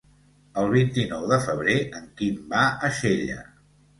El vint-i-nou de febrer en Quim va a Xella.